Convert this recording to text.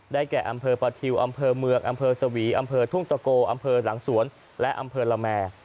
แก่อำเภอประทิวอำเภอเมืองอำเภอสวีอำเภอทุ่งตะโกอำเภอหลังสวนและอำเภอละแม